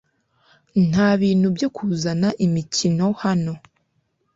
ntabintu byo kuzana imikino hano